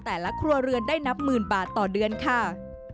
แต่ละครัวเรือนได้นับหมื่นบาทต่อเดือนค่ะ